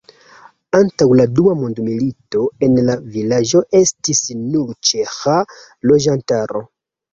Antaŭ la dua mondmilito en la vilaĝo estis nur ĉeĥa loĝantaro.